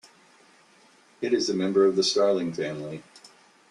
It is a member of the starling family.